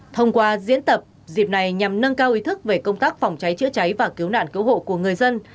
thông qua diễn tập dịp này nhằm nâng cao ý thức về công tác phòng cháy chữa cháy và cứu nạn cứu hộ của người dân